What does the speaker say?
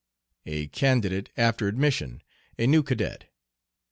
A candidate after admission, a new cadet.